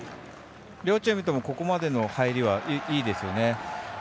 両チームともここまでの入りはいいですよね。